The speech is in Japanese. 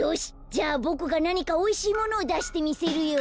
じゃあボクがなにかおいしいものをだしてみせるよ。